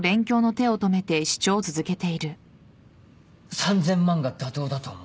３，０００万が妥当だと思う。